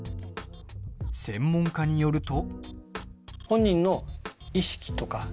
専門家によると。